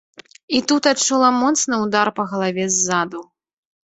І тут адчула моцны ўдар па галаве ззаду.